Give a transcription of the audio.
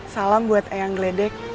salam buat eyang gledek